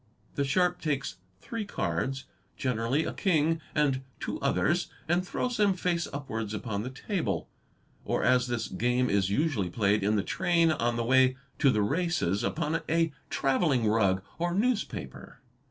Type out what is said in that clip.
The sharp takes three cards generally a king and two others and throws them face upwards upon the table, or, as this game is usually played in the train on the way to the races, upon a travelling rug or newspaper.